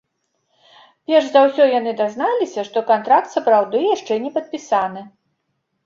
Перш за ўсё яны дазналіся, што кантракт сапраўды яшчэ не падпісаны.